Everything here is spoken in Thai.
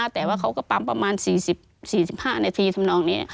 แต่ว่าเขาก็ปั๊มประมาณ๔๕นาทีทำนองนี้